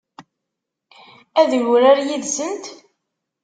Ad yurar yid-sent?